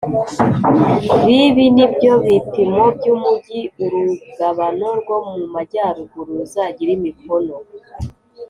b Ibi ni byo bipimo by umugi urugabano rwo mu majyaruguru ruzagire imikono